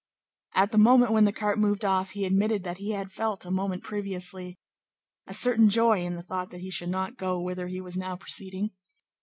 At the moment when the cart moved off, he admitted that he had felt, a moment previously, a certain joy in the thought that he should not go whither he was now proceeding.